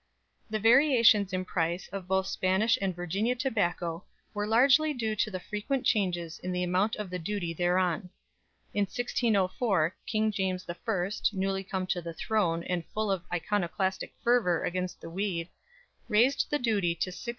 The variations in price of both Spanish and Virginia tobacco were largely due to the frequent changes in the amount of the duty thereon. In 1604 King James I, newly come to the throne, and full of iconoclastic fervour against the weed, raised the duty to 6s.